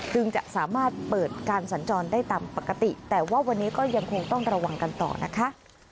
จึงจะสามารถเปิดการสัญจรได้ตามปกติแต่ว่าวันนี้ก็ยังคงต้องระวังกันต่อนะคะ